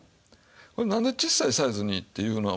これなんで小さいサイズにっていうのは。